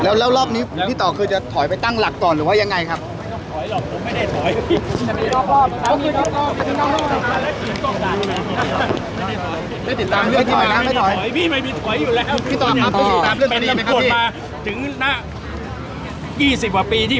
แล้วแล้วรอบนี้พี่ต่อคือจะถอยไปตั้งหลักก่อนหรือว่ายังไงครับถอยหรอผมไม่ได้ถอยพี่